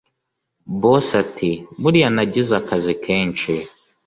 boss ati”buriya nagize akazi kenshi